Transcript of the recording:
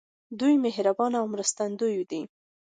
دوی مهربان او مرستندوی دي.